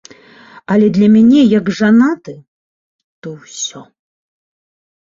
Але для мяне як жанаты, то ўсё.